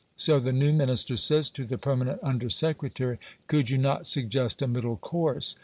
so the new Minister says to the permanent under secretary, "Could you not suggest a middle course?